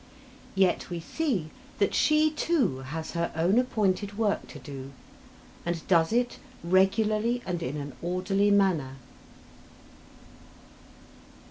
Yet we see that she, too, has her own appointed work to do, and does it regularly and in an orderly manner.